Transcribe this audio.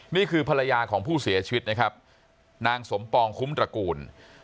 นี่คือภรรยาของผู้เสียชีวิตนะครับนางสมปองคุ้มตระกูล